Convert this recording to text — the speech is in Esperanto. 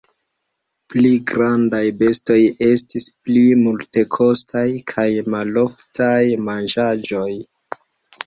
Pli grandaj bestoj estis pli multekostaj kaj maloftaj manĝaĵoj.